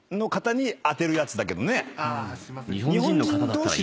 日本人の方だったらいらない。